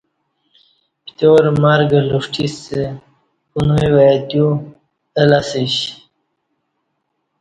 پتیارہ مرگ لوݜٹیسہ پنوی وای تیو اہ لہ اسیش